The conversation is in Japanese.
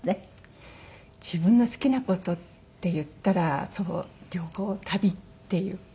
自分の好きな事っていったらそう旅行旅っていうか。